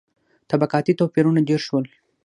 • طبقاتي توپیرونه ډېر شول.